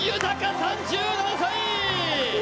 ３７歳。